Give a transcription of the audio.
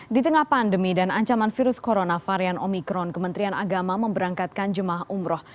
di tengah pandemi dan ancaman virus corona varian omikron kementerian agama memberangkatkan jemaah umroh